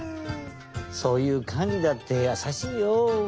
そういうカンリだってやさしいよ！